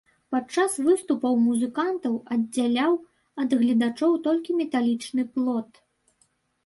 Падчас выступаў музыкантаў аддзяляў ад гледачоў толькі металічны плот.